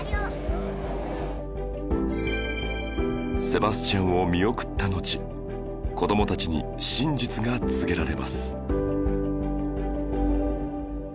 セバスチャンを見送ったのち子どもたちに真実が告げられます